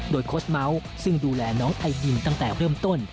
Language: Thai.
โดยโค้ชเมาส์ซึ่งดูแลน้องไอดินตั้งแต่เริ่มต้น